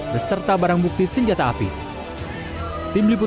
tersangka yang tertangkap kemudian dibawa ke markas konsek gunung sindir bogor